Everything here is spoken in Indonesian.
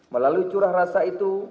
melalui curah rasa itu